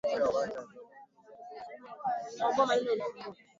Urusi kwenye maeneo yaliyolenga magharibi mwa Ukraine